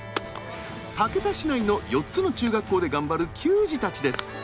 竹田市内の４つの中学校で頑張る球児たちです。